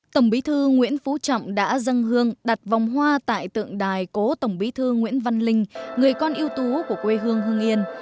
tổng bí thư nguyễn phú trọng đã dâng hương đặt vòng hoa tại tượng đài cố tổng bí thư nguyễn văn linh người con yêu tú của quê hương hương yên